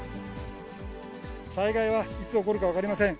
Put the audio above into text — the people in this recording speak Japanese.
災害はいつ起こるか分かりません。